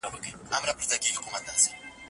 د مفتي له خولې به جګ ماشاءالله سو